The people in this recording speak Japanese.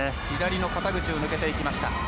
左の肩口を抜けていきました。